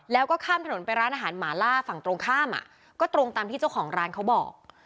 แล้วก็ข้ามถนนไปร้านอาหารหมาล่าฝั่งตรงข้ามอ่ะก็ตรงตามที่เจ้าของร้านเขาบอก